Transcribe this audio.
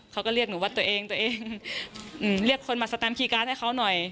เขาก็เรียกหนูว่าตัวเองตัวเองเรียกคนมาสแตมคีย์การ์ดให้เขาหน่อย